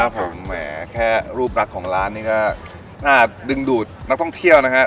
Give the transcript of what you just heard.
ผมแหมแค่รูปรักของร้านนี้ก็น่าดึงดูดนักท่องเที่ยวนะฮะ